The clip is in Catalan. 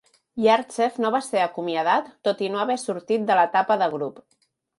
Yartsev no va ser acomiadat tot i no haver sortit de l'etapa de grup.